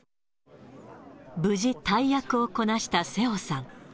無事、大役をこなした瀬尾さん。